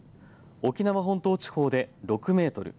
沖縄本島地方で６メートル